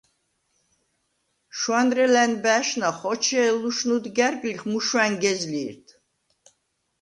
შუ̂ანრე ლა̈ნბა̄̈შნა ხოჩე̄ლ ლუშნუდ გა̈რგლიხ, მუშუ̂ა̈ნ გეზლი̄რდ!